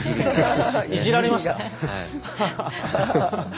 いじられました？